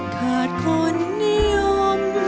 ขาดคนนิยม